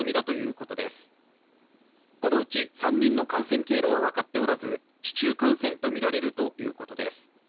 このうち３人の感染経路は分かっておらず市中感染とみられるということです。